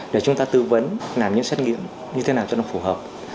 để chúng ta tư vấn làm những xét nghiệm như thế nào cho nó phù hợp